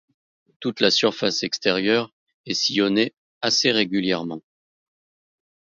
Toute la surface extérieure est sillonnée assez régulièrement.